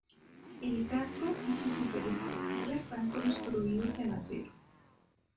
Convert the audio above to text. El casco y su superestructura están construidos en acero.